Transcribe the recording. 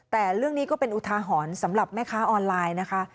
แต่เรื่องนี้ก็เป็นอุทาหรณ์สำหรับแม่ค้าออนไลน์นะคะ